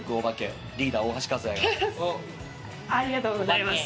ありがとうございます。